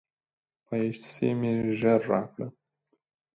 پیسې مي ژر راکړه !